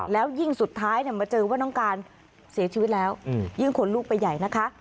แล้วยิ่งสุดท้ายมาเจอว่าน้องการเสียชีวิตแล้วยิ่งขนลูกไปใหญ่นะคะ